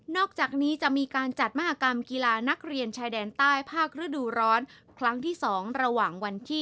นอกจากนี้จะมีการจัดมหากรรมกีฬานักเรียนชายแดนใต้ภาคฤดูร้อน